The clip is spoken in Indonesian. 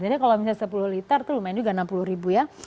jadi kalau misalnya sepuluh liter itu lumayan juga enam puluh ya